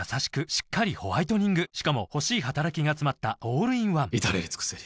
しっかりホワイトニングしかも欲しい働きがつまったオールインワン至れり尽せり